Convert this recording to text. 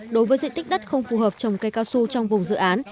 đối với diện tích đất không phù hợp trồng cây casu trong vùng dự án